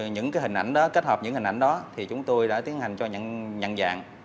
những hình ảnh đó kết hợp những hình ảnh đó thì chúng tôi đã tiến hành cho nhận dạng